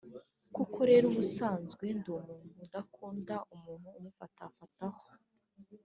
Kuko rero ubusanzwe ndi umuntu udakunda umuntu umufatafataho